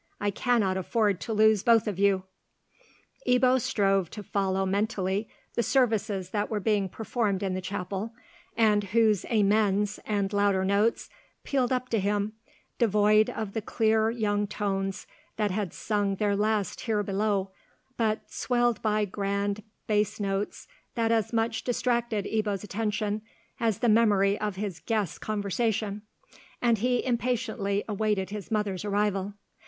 I cannot afford to lose both of you." Ebbo strove to follow mentally the services that were being performed in the chapel, and whose "Amens" and louder notes pealed up to him, devoid of the clear young tones that had sung their last here below, but swelled by grand bass notes that as much distracted Ebbo's attention as the memory of his guest's conversation; and he impatiently awaited his mother's arrival.